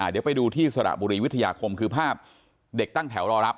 เดี๋ยวไปดูที่สระบุรีวิทยาคมคือภาพเด็กตั้งแถวรอรับ